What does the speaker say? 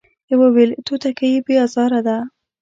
يوه ويل توتکۍ بې ازاره ده ،